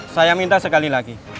saya minta sekali lagi